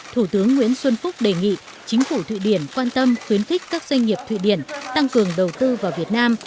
thủ tướng nguyễn xuân phúc đề nghị chính phủ thụy điển quan tâm khuyến khích các doanh nghiệp thụy điển tăng cường đầu tư vào việt nam